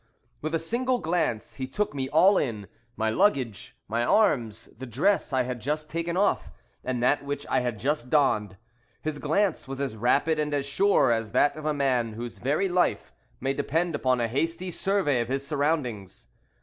With a single glance he took me all in, my luggage, my arms, the dress I had just taken off, and that which I had just donned. His glance was as rapid and as sure as that of a man whose very life may depend upon a hasty survey of his surroundings.